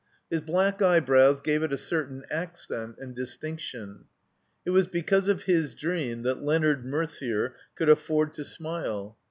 His black eyebrows gave it a certain accent and distinction. It was because of his dream that Leonard Merder could afford to smile.